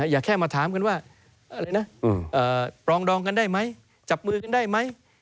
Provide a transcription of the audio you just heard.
อย่าแค่มาถามกันว่าอะไรนะปรองดองกันได้ไหมจับมือกันได้ไหม